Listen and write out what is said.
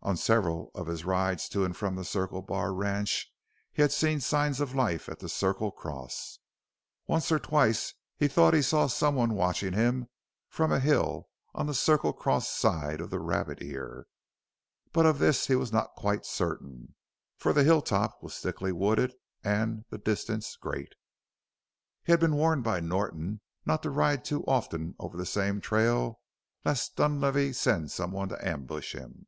On several of his rides to and from the Circle Bar ranch he had seen signs of life at the Circle Cross; once or twice he thought he saw someone watching him from a hill on the Circle Cross side of the Rabbit Ear, but of this he was not quite certain, for the hill top was thickly wooded and the distance great. He had been warned by Norton not to ride too often over the same trail lest Dunlavey send someone to ambush him.